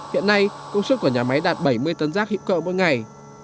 hiện nay công suất của nhà máy đạt bảy mươi tấn rác hữu cơ mỗi ngày